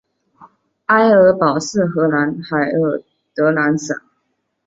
埃尔堡是荷兰海尔德兰省的一个城市和基层政权。